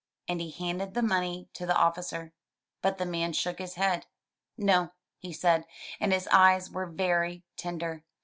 And he handed the money to the officer. But the man shook his head. "No, he said, and his eyes were very tender.